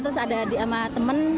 terus ada teman